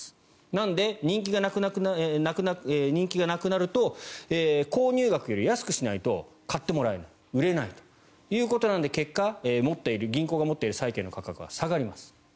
なので、人気がなくなると購入額より安くしないと買ってもらえない売れないということなので結果、銀行が持っている債権の価格は下がります。